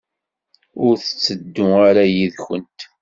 Ur tetteddu ara yid-kent?